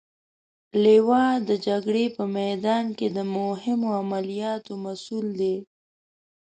لوا د جګړې په میدان کې د مهمو عملیاتو مسئول دی.